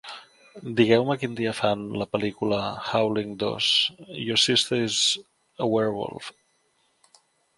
Digueu-me quin dia fan la pel·lícula: "Howling II: Your Sister is a Werewolf".